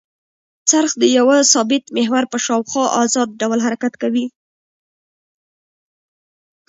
څرخ د یوه ثابت محور په شاوخوا ازاد ډول حرکت کوي.